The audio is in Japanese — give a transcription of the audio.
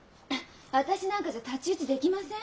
私なんかじゃ太刀打ちできません。